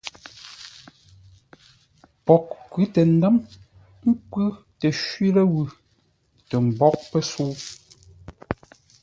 Poghʼ kwʉ́ tə ndə̌m, kwʉ́ təshwi ləwʉ̂, tə mbóʼ pəsə̌u.